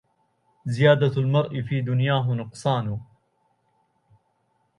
زيادة المرء في دنياه نقصان